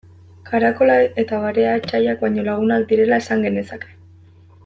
Karakola eta barea etsaiak baino lagunak direla esan genezake.